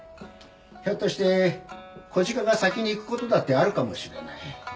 ひょっとして小鹿が先に逝く事だってあるかもしれない。